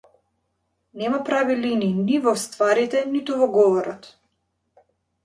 Нема прави линии, ни во стварите, ниту во говорот.